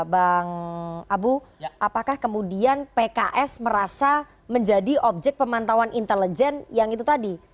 bang abu apakah kemudian pks merasa menjadi objek pemantauan intelijen yang itu tadi